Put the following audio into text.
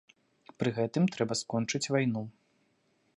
Пры гэтым трэба скончыць вайну.